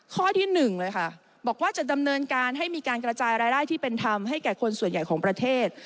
ข้อที่๑เลยค่ะบอกว่าจะดำเนินการให้มีการกระจายรายได้ที่เป็นธรรมให้แก่คนส่วนใหญ่ของประเทศ